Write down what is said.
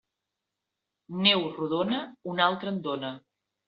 Neu redona, una altra en dóna.